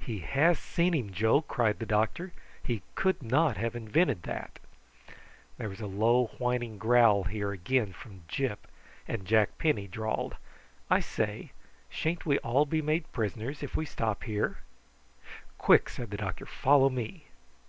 "He has seen him, Joe," cried the doctor. "He could not have invented that." There was a low whining growl here again from Gyp, and Jack Penny drawled: "I say, sha'n't we all be made prisoners if we stop here?" "Quick!" said the doctor; "follow me."